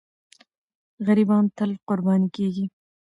غریبان تل قرباني کېږي.